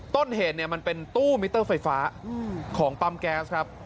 ต้นเหตุเนี่ยมันเป็นตู้มิเตอร์ไฟฟ้าของปั๊มแก๊สครับ